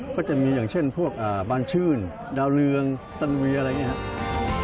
ก็จะมีอย่างเช่นพวกบานชื่นดาวเรืองสันเวียอะไรอย่างนี้ครับ